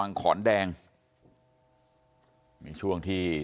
ตรของหอพักที่อยู่ในเหตุการณ์เมื่อวานนี้ตอนค่ำบอกให้ช่วยเรียกตำรวจให้หน่อย